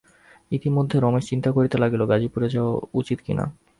ইতিমধ্যে রমেশ চিন্তা করিতে লাগিল, গাজিপুরে যাওয়া উচিত কি না।